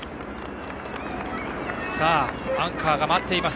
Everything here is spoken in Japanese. さあ、アンカーが待っています